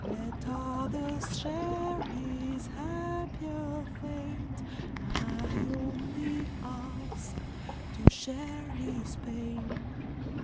Let others share his happier fate, I only ask to share his pain!